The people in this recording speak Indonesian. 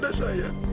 diandra diandra sayang